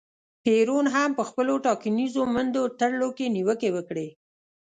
پېرون هم په خپلو ټاکنیزو منډو ترړو کې نیوکې وکړې.